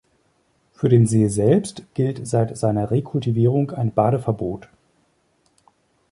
Für den See selbst gilt seit seiner Rekultivierung ein Badeverbot.